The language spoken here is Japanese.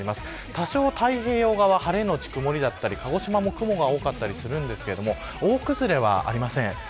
多少、太平洋側晴れのち曇りだったり鹿児島も雲が多かったりしますが大崩れはありません。